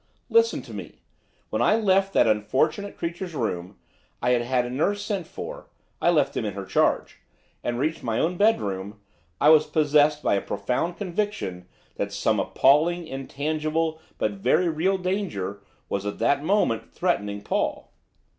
Listen to me. When I left that unfortunate creature's room, I had had a nurse sent for, I left him in her charge and reached my own bedroom, I was possessed by a profound conviction that some appalling, intangible, but very real danger, was at that moment threatening Paul.